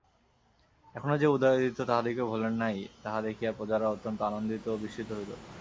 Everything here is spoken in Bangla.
এখনো যে উদয়াদিত্য তাহাদিগকে ভোলেন নাই তাহা দেখিয়া প্রজারা অত্যন্ত আনন্দিত ও বিস্মিত হইল।